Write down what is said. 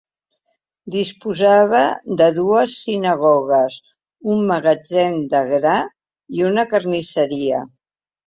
Disposava de dues sinagogues, un magatzem de gra i una carnisseria.